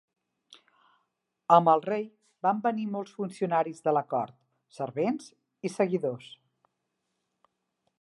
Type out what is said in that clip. Amb el rei van venir molts funcionaris de la cort, servents i seguidors.